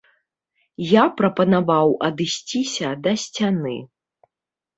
Я прапанаваў адысціся да сцяны.